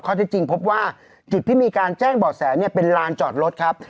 เขาจริงพบว่าจิตที่มีการแจ้งเบาะแสเป็นลานจอดรถครับ